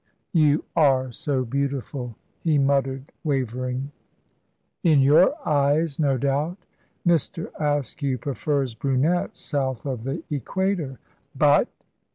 "You are so beautiful," he muttered, wavering. "In your eyes, no doubt. Mr. Askew prefers brunettes south of the Equator. But!"